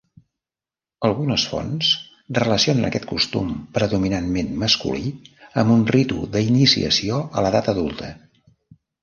Algunes fonts relacionen aquest costum predominantment masculí amb un ritu d'iniciació a l'edat adulta.